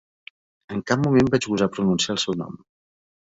En cap moment vaig gosar pronunciar el seu nom.